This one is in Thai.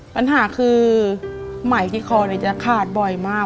ปัญหาคือใหม่ที่คอจะขาดบ่อยมาก